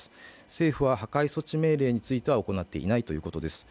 政府は破壊措置命令については行っていないということです。